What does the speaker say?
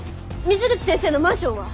水口先生のマンションは？